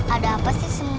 ada apa sih sebenernya